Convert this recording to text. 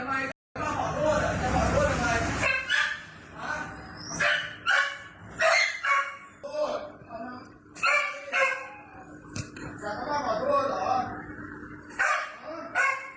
กี่รอบแล้วไม่ได้จัดอย่างนึงต้องจัดอย่างนึง